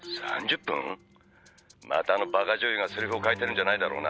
またあの馬鹿女優がセリフを変えてるんじゃないだろうな」